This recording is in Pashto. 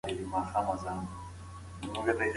د علم لاسرسی د راتلونکي مشرتابه لپاره اړینه ده.